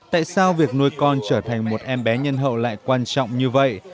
tại sao việc nuôi con trở thành một em bé nhân hậu lại quan trọng như vậy